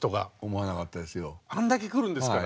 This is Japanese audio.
あんだけ来るんですから。